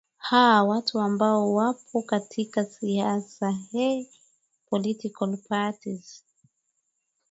aa watu ambao wapo katika siasa ee political parties